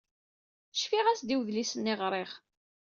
Cfiɣ-as-d i wedlis-nni i ɣṛiɣ.